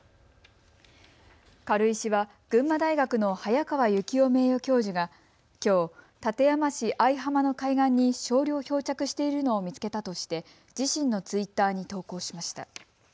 軽石は群馬大学の早川由紀夫名誉教授がきょう館山市相浜の海岸に少量漂着しているのを見つけたとして自身のツイッターに投稿しました。